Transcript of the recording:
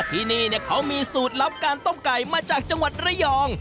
ที่นี่เขามีสูตรลับการต้มไก่มาจากจังหวัดระยอง